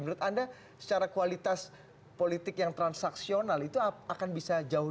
menurut anda secara kualitas politik yang transaksional itu akan bisa jauh